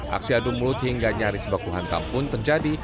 aksi adu mulut hingga nyaris baku hantam pun terjadi